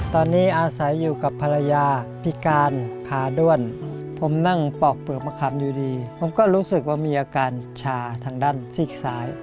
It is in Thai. ตอนนี้อาศัยอยู่กับภรรยาพิการขาด้วนผมนั่งปอกเปลือกมะขามอยู่ดีผมก็รู้สึกว่ามีอาการชาทางด้านซีกซ้าย